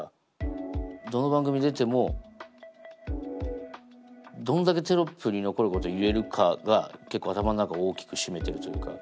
どの番組出てもどんだけテロップに残ることを言えるかが結構頭の中を大きく占めてるというか。